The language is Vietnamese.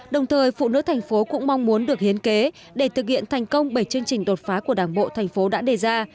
đồng thời phụ nữ thành phố cũng mong muốn được hiến kế để thực hiện thành công bảy chương trình đột phá của đảng bộ thành phố đã đề ra